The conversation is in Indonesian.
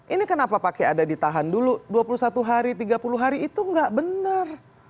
ini kenapa pakai ada ditahan dulu dua puluh satu hari tiga puluh hari itu nggak benar